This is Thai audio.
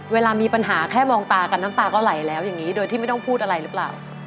เวลามีปัญหาแค่มองตากันน้ำตาก็ไหลแล้วอย่างนี้โดยที่ไม่ต้องพูดอะไรหรือเปล่า